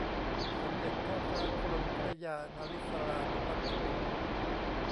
สมเด็จเจ้าฟ้ากรมพระยานริศรานุวัติวงศ์